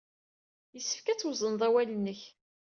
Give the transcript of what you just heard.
Yessefk ad twezzneḍ awal-nnek.